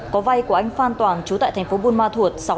có vay của anh phan toàn chú tại thành phố buôn ma thuột